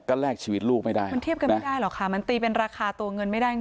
ก็แลกชีวิตลูกไม่ได้มันเทียบกันไม่ได้หรอกค่ะมันตีเป็นราคาตัวเงินไม่ได้จริง